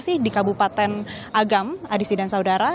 masih di kabupaten agam adisi dan saudara